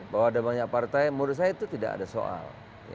bahwa ada banyak partai menurut saya itu tidak ada soal